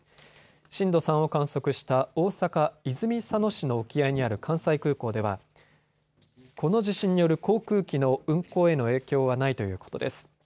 震度３を観測した大阪泉佐野市の沖合にある関西空港ではこの地震による航空機の運航への影響はないということです。